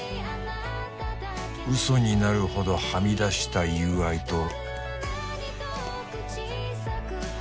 「嘘になるほどはみ出した友愛と」